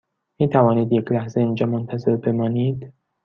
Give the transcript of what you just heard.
می توانید یک لحظه اینجا منتظر بمانید؟